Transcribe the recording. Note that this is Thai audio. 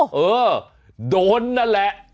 โหมโดนนั่นแหละ